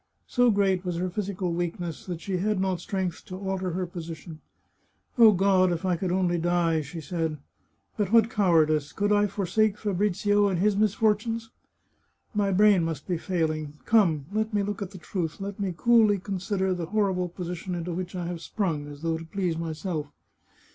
So great was her physical weakness that she had not strength to alter her position, " O God, if only I could die !" she said. " But what cowardice ! Could I forsake Fabrizio in his misfor tunes ? My brain must be failing. Come, let me look at the truth; let me coolly consider the horrible position into which I have sprung, as though to please myself.